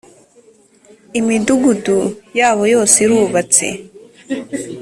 imidugudu yabo yose irubatse.